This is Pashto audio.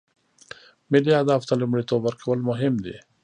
ملي اهدافو ته لومړیتوب ورکول مهم دي